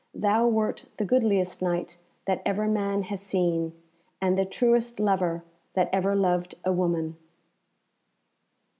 Thou wert the goodliest Knight that ever man has seen, and the truest lover that ever loved a woman."